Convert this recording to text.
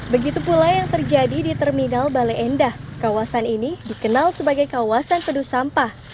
begitu pula yang terjadi di terminal bale endah kawasan ini dikenal sebagai kawasan penuh sampah